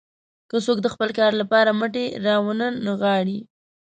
که څوک د خپل کار لپاره مټې راونه نغاړي.